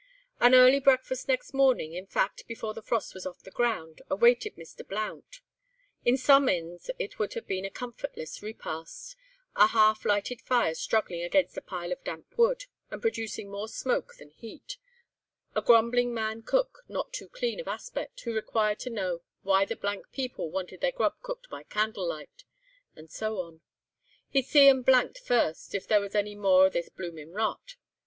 An early breakfast next morning, in fact, before the frost was off the ground, awaited Mr. Blount. In some inns it would have been a comfortless repast; a half lighted fire struggling against a pile of damp wood, and producing more smoke than heat; a grumbling man cook, not too clean of aspect, who required to know "why the blank people wanted their grub cooked by candlelight," and so on—"he'd see 'em blanked first, if there was any more of this bloomin' rot."